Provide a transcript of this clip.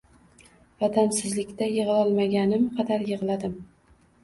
Vatansizlikda yig’lolmaganim qadar yig’ladim.